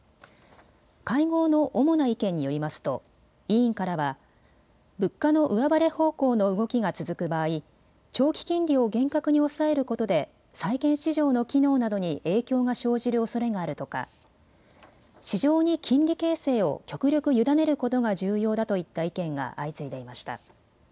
会合の主な意見によりますと委員からは物価の上振れ方向の動きが続く場合、長期金利を厳格に抑えることで債券市場の機能などに影響が生じるおそれがあるとか市場に金利形成を極力委ねることが重要だといった意見が相次いでいました。